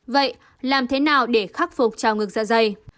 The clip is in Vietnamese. vậy làm thế nào để khắc phục trào ngược dạ dày